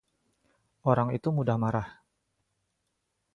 Orang itu mudah marah.